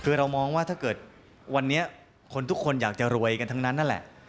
คือเรามองว่าถ้าเกิดวันนี้คนทุกคนอยากจะรวยกันทั้งนั้นนั่นแหละ